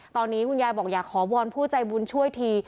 ตอนนี้คุณยายบอกอยากขอวอนผู้ใจบุญช่วยที